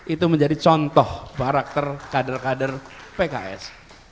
itu menjadi contoh karakter kader kader pks